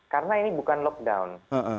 karena ini bukan lockdown